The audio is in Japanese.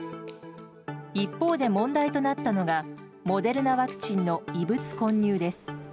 一方で問題となったのがモデルナワクチンの異物混入です。